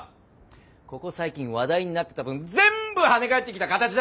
ここ最近話題になってた分全部はね返ってきた形だ！